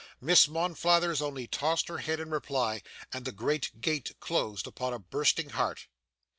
Miss Monflathers only tossed her head in reply, and the great gate closed upon a bursting heart.